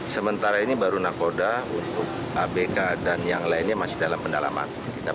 sementara ini baru nakoda untuk abk dan yang lainnya masih dalam pendalaman